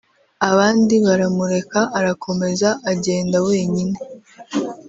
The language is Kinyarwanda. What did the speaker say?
abandi baramureka arakomeza agenda wenyine